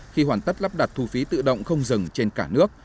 khi hoàn tất lắp đặt thu phí tự động không dừng trên cả nước